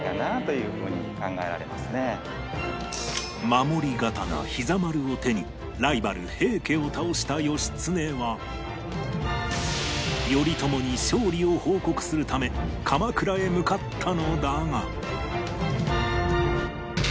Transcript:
守り刀膝丸を手にライバル平家を倒した義経は頼朝に勝利を報告するため鎌倉へ向かったのだが